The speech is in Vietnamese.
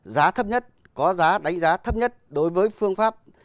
giá thấp nhất có giá đánh giá thấp nhất đối với phương pháp